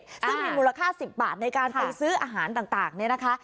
ซึ่งมีมูลค่า๑๐บาทในการไปซื้ออาหารต่างเนี่ยนะคะ